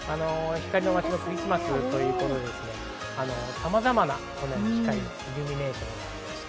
光の街のクリスマスということで、さまざまな光のイルミネーションがあります。